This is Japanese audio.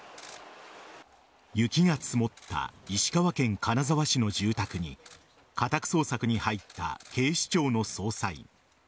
雪が積もった石川県金沢市の住宅に家宅捜索に入った警視庁の捜査員。